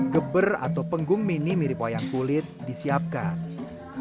geber atau penggung mini mirip wayang kulit disiapkan